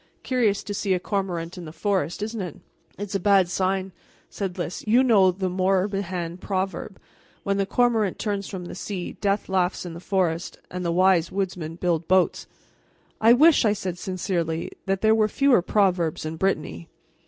Curious to see a cormorant in a forest, isn't it?" "It is a bad sign," said Lys. "You know the Morbihan proverb: 'When the cormorant turns from the sea, Death laughs in the forest, and wise woodsmen build boats.'" "I wish," said I sincerely, "that there were fewer proverbs in Brittany."